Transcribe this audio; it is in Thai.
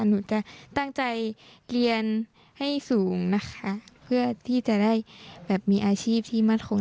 หนูจะตั้งใจเรียนให้สูงนะคะเพื่อที่จะได้แบบมีอาชีพที่มั่นคง